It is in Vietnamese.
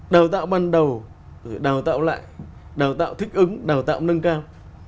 đào tạo ban đầu đào tạo lại đào tạo thích ứng đào tạo nâng cao